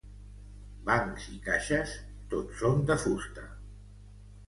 Bancs i caixes, tot són de fusta.